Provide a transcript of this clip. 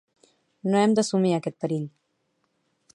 No hem d'assumir aquest perill.